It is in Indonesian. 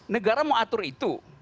negara mau atur itu